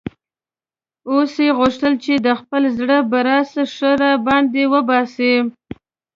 اوس یې غوښتل چې د خپل زړه بړاس ښه را باندې وباسي.